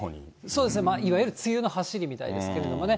そうですね、いわゆる梅雨のはしりみたいですけれどもね。